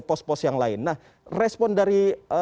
pos pos yang lain nah respon dari